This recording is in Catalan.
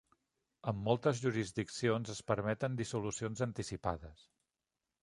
En moltes jurisdiccions es permeten dissolucions anticipades.